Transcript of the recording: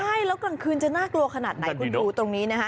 ใช่แล้วกลางคืนจะน่ากลัวขนาดไหนคุณดูตรงนี้นะคะ